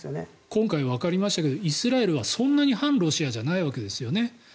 今回、わかりましたけどイスラエルはそんなに反ロシアじゃないわけですよね。